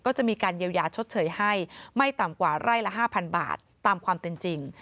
ก็จะมีการเยียวยาชดเฉยให้ไม่ต่ำกว่าไร่ละ๕๐๐บาทตามความเป็นจริง